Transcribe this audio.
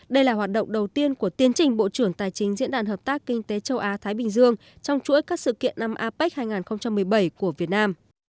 đây là hoạt động đầu tiên của tiến trình bộ trưởng tài chính diễn đàn hợp tác kinh tế châu á thái bình dương trong chuỗi các sự kiện năm apec hai nghìn một mươi bảy của việt nam